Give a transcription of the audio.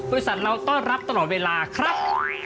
เราต้อนรับตลอดเวลาครับ